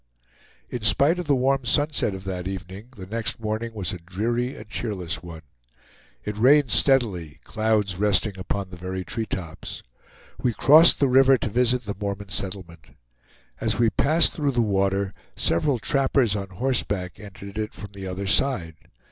In spite of the warm sunset of that evening the next morning was a dreary and cheerless one. It rained steadily, clouds resting upon the very treetops. We crossed the river to visit the Mormon settlement. As we passed through the water, several trappers on horseback entered it from the other side.